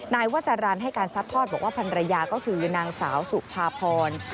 นายวาจารันให้การซัดทอดบอกว่าพันรยาก็คือนางสาวสุภาพร